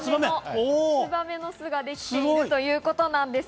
ツバメの巣ができているということなんです。